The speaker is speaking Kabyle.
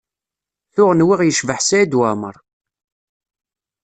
Tuɣ nwiɣ yecbeḥ Saɛid Waɛmaṛ.